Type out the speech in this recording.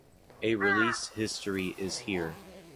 A release history is here.